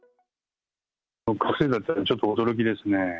覚醒剤はちょっと驚きですね。